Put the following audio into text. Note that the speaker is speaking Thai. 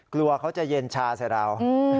กลัวเขาจะเย็นชาใส่เรา